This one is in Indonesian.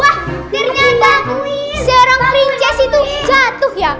wah ternyata seorang princes itu jatuh ya